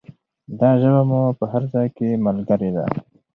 دا ژبه مو په هر ځای کې ملګرې ده.